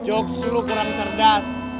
jokes lo kurang cerdas